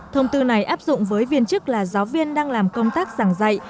thông tư này áp dụng với viên chức là giáo viên đang làm công tác giảng dạy